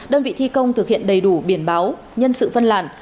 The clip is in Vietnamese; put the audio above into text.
đơn vị thi công thực hiện đầy đủ biển báo nhân sự phân làn